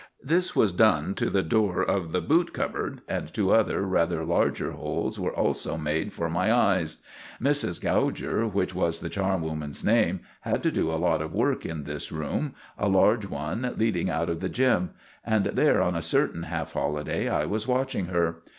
This was done to the door of the boot cupboard, and two other rather larger holes were also made for my eyes. Mrs. Gouger, which was the charwoman's name, had to do a lot of work in this room a large one leading out of the gym. And there, on a certain half holiday, I was watching her.